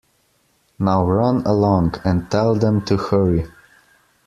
Now run along, and tell them to hurry.